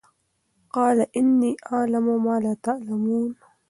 قَالَ إِنِّىٓ أَعْلَمُ مَا لَا تَعْلَمُونَ